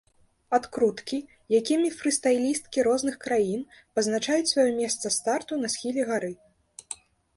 Адкруткі, якімі фрыстайлісткі розных краін пазначаюць сваё месца старту на схіле гары.